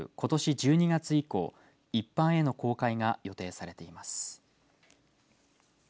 １２月以降一般への公開が予定されています。